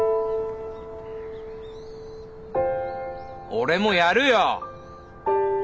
俺もやるよ！